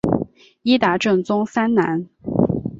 伊达政宗三男。